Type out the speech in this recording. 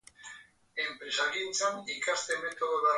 Gehien kilikatzen zuena lanak berak biltzen zuen kutsu misteriotsua zen.